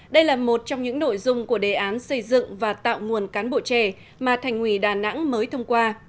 đây là một trong những nội dung của đề án xây dựng và tạo nguồn cán bộ trẻ mà thành ủy đà nẵng mới thông qua